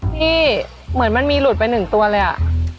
นี่เหมือนมันมีหลุดไป๑ตัวเลยอ่ะ